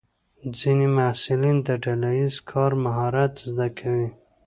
ځینې محصلین د ډله ییز کار مهارت زده کوي.